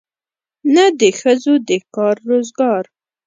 نه د ښځو د کار روزګار.